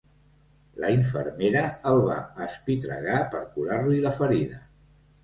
La infermera el va espitregar per curar-li la ferida.